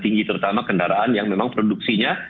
tinggi terutama kendaraan yang memang produksinya